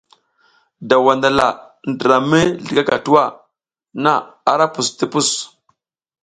Daw wandala ndra mi zligaka tuwa na ara pus ti pus.